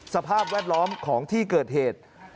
สภาพแวดล้อมของที่เกิดเหตุ